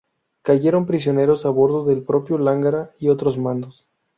Cayeron prisioneros a bordo el propio Lángara y otros mandos.